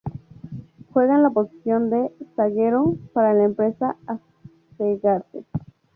Juega en la posición de "zaguero", para la empresa Asegarce.